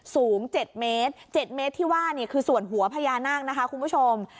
สูง๗เมตร๗เมตรที่ว่านี่คือส่วนหัวพญานาคนะคะคุณผู้ชม